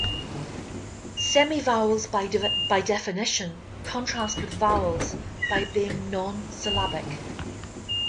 Semivowels, by definition, contrast with vowels by being non-syllabic.